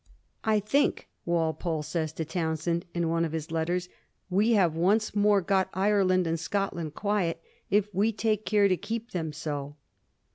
* I think,' Walpole says to Townshend in one of his letters, * we have once more got Ireland and Scotland quiet, if we take care to keep them so.'